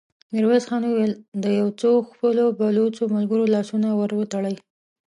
ميرويس خان وويل: د يو څو خپلو بلوڅو ملګرو لاسونه ور وتړئ!